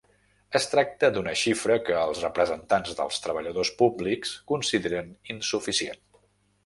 Es tracta d’una xifra que els representants dels treballadors públics consideren insuficient.